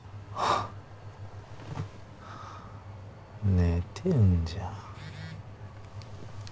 寝てんじゃん